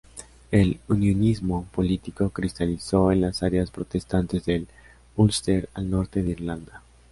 El unionismo político cristalizó en las áreas protestantes del Ulster, al norte de Irlanda.